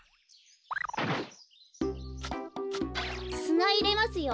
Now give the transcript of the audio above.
すないれますよ。